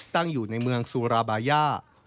ตั้งอยู่ในเมืองซูราบาย่า